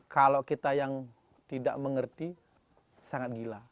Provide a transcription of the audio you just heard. kalau kita yang tidak mengerti sangat gila